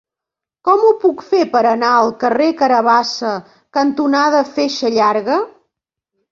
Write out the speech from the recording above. Com ho puc fer per anar al carrer Carabassa cantonada Feixa Llarga?